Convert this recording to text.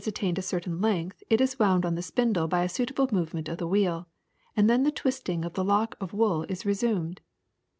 THREAD 5 attained a certain length it is wound on the spindle by a suitable movement of the wheel; and then the twisting of the lock of wool is resumed.